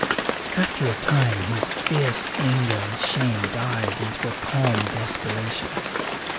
After a time his fierce anger and shame died into a calm desperation.